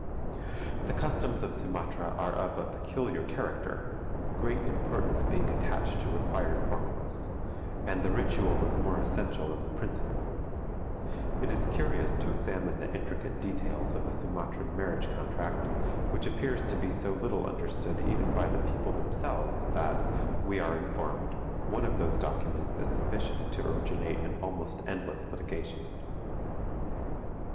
The customs of Sumatra are of a peculiar character, great importance being attached to required formulas; and the ritual is more essential than the principle. It is curious to examine the intricate details of a Sumatran marriage contract, which appears to be so little understood even by the people themselves that, we are informed, one of these documents is sufficient to originate an almost endless litigation.